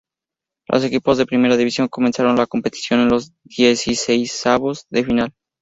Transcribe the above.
Los equipos de Primera División comenzaron la competición en los dieciseisavos de final.